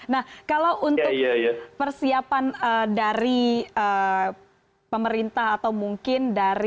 nah kalau untuk persiapan dari pemerintah atau mungkin dari